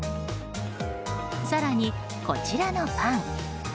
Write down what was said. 更にこちらのパン。